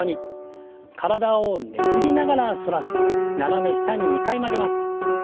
体をねじりながら反らせて斜め下に２回曲げます。